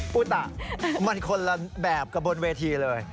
อุตะมันคนละแบบกับบนเวทีเลย